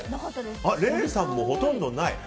礼さんもほとんどない。